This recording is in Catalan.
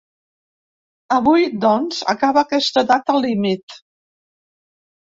Avui, doncs, acaba aquesta data límit.